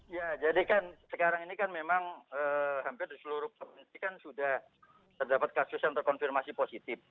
ya jadi kan sekarang ini kan memang hampir di seluruh provinsi kan sudah terdapat kasus yang terkonfirmasi positif